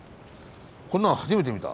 こんなん初めて見た。